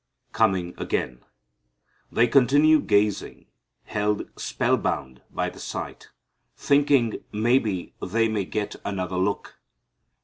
Coming Again. They continue gazing, held spellbound by the sight, thinking maybe they may get another look.